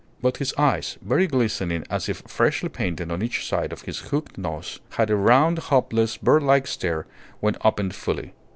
But his eyes, very glistening as if freshly painted on each side of his hooked nose, had a round, hopeless, birdlike stare when opened fully.